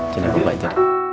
sini aku baca